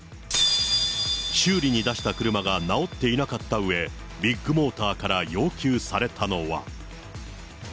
修理に出した車が直っていなかったうえ、ビッグモーターから要求されたのは。